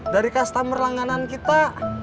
dari customer langganan kita